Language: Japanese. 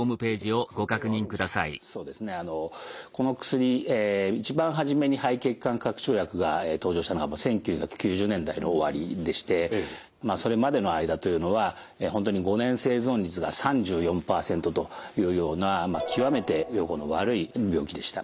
そうですねこの薬。一番初めに肺血管拡張薬が登場したのが１９９０年代の終わりでしてそれまでの間というのは本当に５年生存率が３４％というような極めて予後の悪い病気でした。